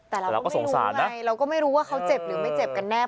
แต่เราก็สงสารไงเราก็ไม่รู้ว่าเขาเจ็บหรือไม่เจ็บกันแน่